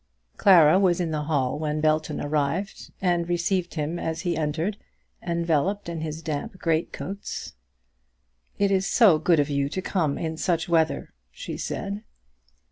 Clara was in the hall when Belton arrived, and received him as he entered, enveloped in his damp great coats. "It is so good of you to come in such weather," she said.